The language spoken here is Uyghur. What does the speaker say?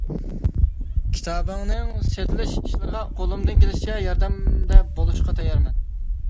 كىتابىڭنىڭ سېتىلىش ئىشلىرىغا قولۇمدىن كېلىشىچە ياردەمدە بولۇشقا تەييارمەن.